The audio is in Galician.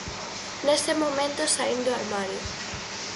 Nese momento saín do armario.